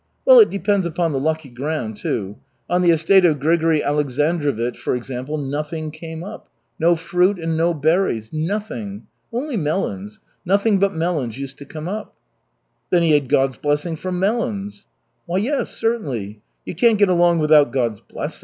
Well, it depends upon the lucky ground, too. On the estate of Grigory Aleksandrovich, for example, nothing came up, no fruit and no berries nothing. Only melons. Nothing but melons used to come up." "Then he had God's blessing for melons." "Why, yes, certainly. You can't get along without God's mercy.